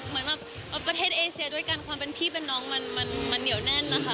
เหมือนแบบประเทศเอเซียด้วยกันความเป็นพี่เป็นน้องมันเหนียวแน่นนะคะ